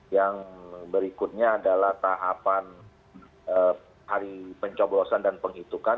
yang berikutnya adalah tahapan hari pencoblosan dan penghitungan